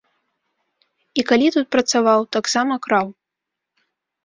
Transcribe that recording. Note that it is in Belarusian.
І калі тут працаваў, таксама краў.